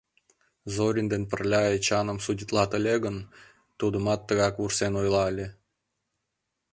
Зорин дене пырля Эчаным судитлат ыле гын, тудымат тыгак вурсен ойла ыле.